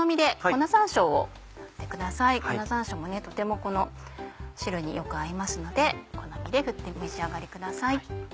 粉山椒もとてもこの汁によく合いますので好みで振って召し上がりください。